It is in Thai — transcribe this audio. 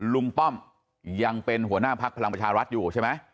รุงปล้อมยังเป็นหัวหน้าพรรคภลังประชารัฐอยู่ใช่มั้ย